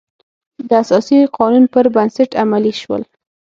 د اساسي قانون پر بنسټ عملي شول.